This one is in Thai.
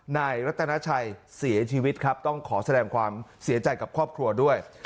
นายรัตนาชัยเสียชีวิตครับต้องขอแสดงความเสียใจกับครอบครัวด้วย